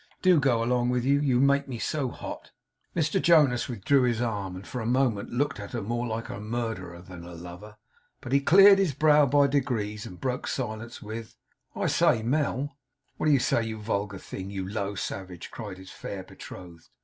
'Do go along, will you? You make me so hot!' Mr Jonas withdrew his arm, and for a moment looked at her more like a murderer than a lover. But he cleared his brow by degrees, and broke silence with: 'I say, Mel!' 'What do you say, you vulgar thing you low savage?' cried his fair betrothed.